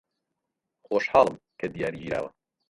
خۆشحاڵم کە دیار گیراوە.